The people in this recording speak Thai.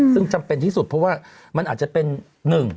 ซึ่งจำเป็นที่สุดเพราะว่ามันอาจจะเป็นหนึ่ง